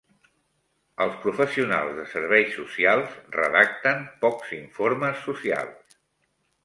Els professionals de serveis socials redacten pocs informes socials.